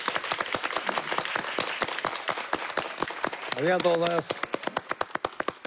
ありがとうございます。